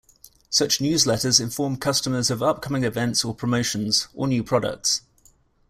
Such newsletters inform customers of upcoming events or promotions, or new products.